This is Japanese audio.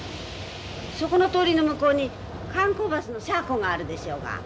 そこの通りの向こうに観光バスの車庫があるでしょうが。